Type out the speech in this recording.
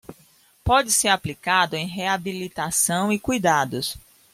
Pode ser aplicado em reabilitação e cuidados